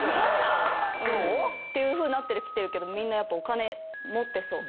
そう？っていうふうになってきてるけどみんなやっぱお金持ってそう。